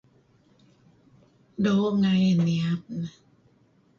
Doo' ngai niyat muh.